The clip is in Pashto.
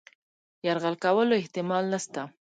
یرغل کولو احتمال نسته.